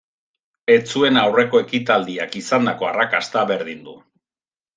Ez zuen aurreko ekitaldiak izandako arrakasta berdindu.